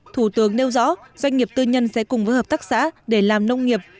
thủ tướng nêu rõ doanh nghiệp tư nhân sẽ cùng với hợp tác xã để làm nông nghiệp